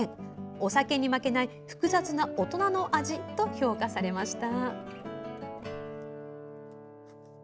お酒に負けない複雑な大人の味と評価されました。